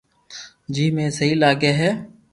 جيم اي سھي لاگي ھي